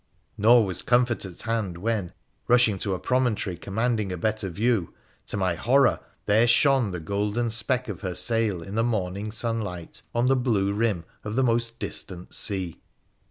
Nor was comfort at hand when, rushing to a promontory commanding a better view, to my horror there shone the golden speck of her sail in the morning sunlight on the blue rim of the most distant sea.